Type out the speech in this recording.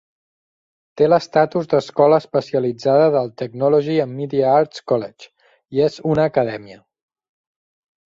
Té l'estatus d'escola especialitzada del Technology and Media Arts College, i és un acadèmia.